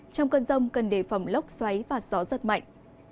trong cơn rông cần để phẩm lốc xoáy và gió giật mạnh